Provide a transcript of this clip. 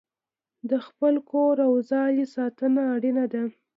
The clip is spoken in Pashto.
د خپل کور او ځالې ساتنه اړینه ده.